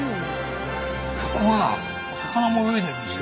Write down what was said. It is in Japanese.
そこは魚も泳いでるんですよ。